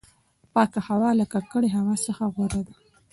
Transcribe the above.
پاکه هوا له ککړې هوا څخه غوره ده.